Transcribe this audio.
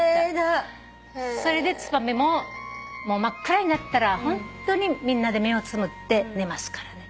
それでツバメも真っ暗になったらホントにみんなで目をつむって寝ますからね。